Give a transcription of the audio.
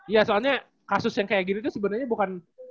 ya soalnya kasus yang kayak gini tuh sebenarnya bukan